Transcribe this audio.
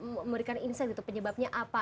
memberikan insight gitu penyebabnya apa